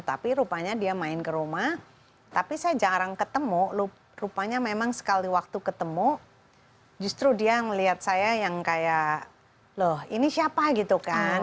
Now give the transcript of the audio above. tapi rupanya dia main ke rumah tapi saya jarang ketemu rupanya memang sekali waktu ketemu justru dia melihat saya yang kayak loh ini siapa gitu kan